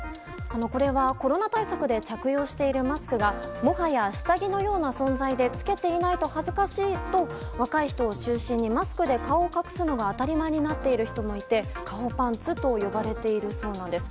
これはコロナ対策で着用しているマスクがもはや下着のような存在で着けていないと恥ずかしいと若い人を中心にマスクで顔を隠すのが当たり前になっている人もいて顔パンツと呼ばれているそうです。